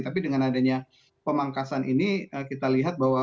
tapi dengan adanya pemangkasan ini kita lihat bahwa